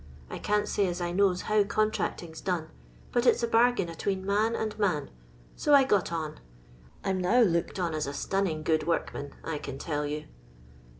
I can't say as I knows how contracting 's done; but it 's a bargain atween man and man. So I got on. I 'm now looked on as a stunning good workman, I can tell you.